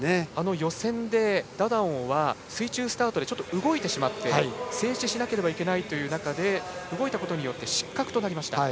予選でダダオンは水中スタートでちょっと動いてしまって静止しなければいけない中動いたことで失格となりました。